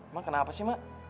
ma kenapa sih mak